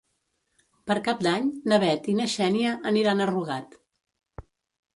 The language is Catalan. Per Cap d'Any na Bet i na Xènia aniran a Rugat.